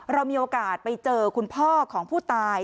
เรามีโอกาสไปเจอคุณพ่อของผู้ตาย